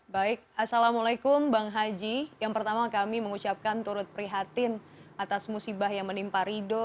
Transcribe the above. bagaimana perhatian anda menurut perhatian atas musibah yang menimpa ridho